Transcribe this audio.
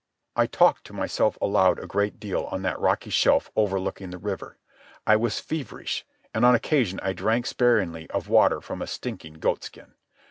I talked to myself aloud a great deal on that rocky shelf overlooking the river. I was feverish, and on occasion I drank sparingly of water from a stinking goatskin.